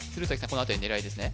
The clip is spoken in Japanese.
このあたり狙いですね？